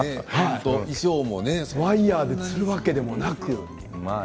ワイヤーでつるわけでもなく。